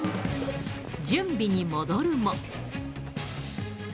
準備に戻るも。